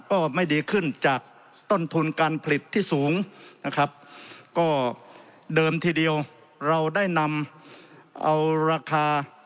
ก็ไม่ดีขึ้นจากต้นทุนการผลิตที่สูงนะครับก็เดิมทีเดียวเราได้นำเอาราคา